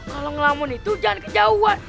kalau ngelamun itu jangan ke jauh